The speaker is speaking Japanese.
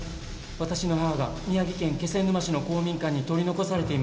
私の母が宮城県気仙沼市の公民館に取り残されています。